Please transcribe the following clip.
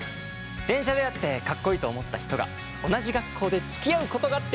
電車で会ってかっこいいと思った人が同じ学校でつきあうことができた。